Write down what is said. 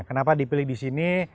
kenapa dipilih di sini